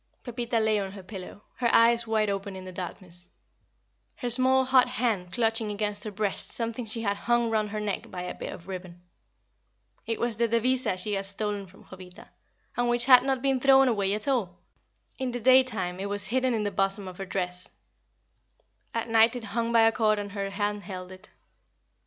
Pepita lay on her pillow, her eyes wide open in the darkness, her small hot hand clutching against her breast something she had hung round her neck by a bit of ribbon. It was the devisa she had stolen from Jovita, and which had not been thrown away at all. In the daytime it was hidden in the bosom of her dress; at night it hung by a cord and her hand held it.